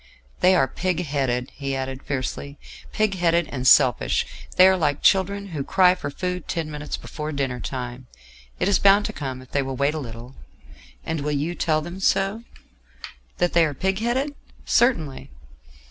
"They are pig headed," he added fiercely; "pig headed and selfish; they are like children who cry for food ten minutes before dinner time: it is bound to come if they will wait a little." "And you will tell them so?" "That they are pig headed? Certainly."